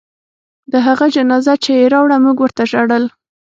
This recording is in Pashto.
د هغه جنازه چې يې راوړه موږ ورته ژړل.